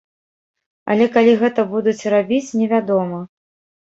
Але калі гэта будуць рабіць, невядома.